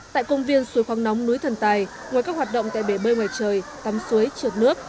tại công viên suối khoáng nóng núi thần tài ngoài các hoạt động tại bể bơi ngoài trời tắm suối trợt nước